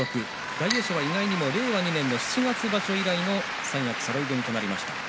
大栄翔は意外にも令和２年の七月場所以来の三役そろい踏みです。